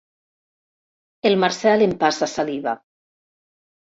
El Marcel empassa saliva.